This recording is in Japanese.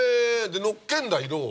乗っけんだ色を！